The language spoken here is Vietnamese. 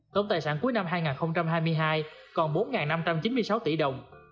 tổng tài sản cuối năm hai nghìn hai mươi hai còn bốn năm trăm chín mươi sáu tỷ đồng